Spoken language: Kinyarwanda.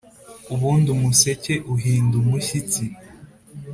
ubundi umuseke uhinda umushyitsi,